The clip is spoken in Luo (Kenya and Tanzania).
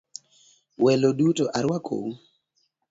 Welo duto aruakou.